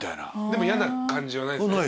でも嫌な感じはないんですね？